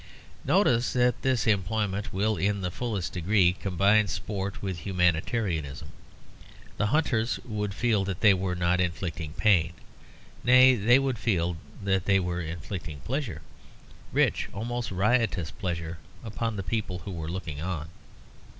Notice that this employment will in the fullest degree combine sport with humanitarianism. The hunters would feel that they were not inflicting pain. Nay, they would feel that they were inflicting pleasure, rich, almost riotous pleasure, upon the people who were looking on.